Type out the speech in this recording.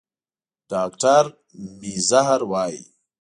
ډاکټر میزهر وايي